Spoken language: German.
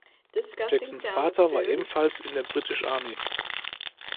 Jacksons Vater war ebenfalls in der British Army.